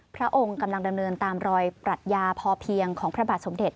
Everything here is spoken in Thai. พระองค์กำลังดำเนินตามรอยปรัชญาพอเพียงของพระบาทสมเด็จ